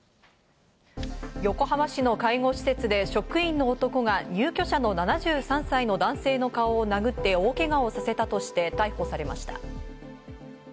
横浜市の介護施設で職員の男が入居者の７３歳の男性の顔を殴って大けがをさせたとして逮捕されました。